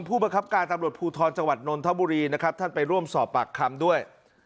ผู้บังคับการตำรวจภูทรจังหวัดนนทบุรีนะครับท่านไปร่วมสอบปากคำด้วย